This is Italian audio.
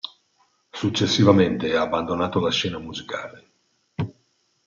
Successivamente ha abbandonato la scena musicale.